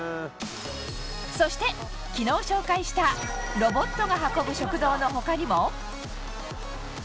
そして、昨日紹介したロボットが運ぶ食堂の他にも。